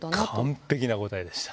完璧な答えでした。